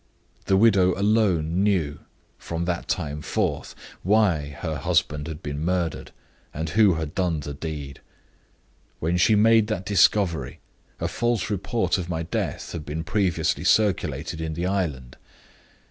The widow alone knew, from that time forth, why her husband had been murdered, and who had done the deed. When she made that discovery, a false report of my death had been previously circulated in the island.